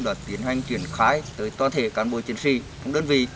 đã tiến hành chuyển khai tới toàn thể cán bộ chiến sĩ phòng đơn vị